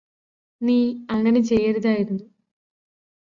നീ അങ്ങനെ ചെയ്യരുതായിരുന്നു.